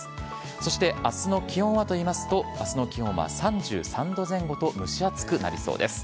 そしてあすの気温はといいますと、あすの気温は３３度前後と、蒸し暑くなりそうです。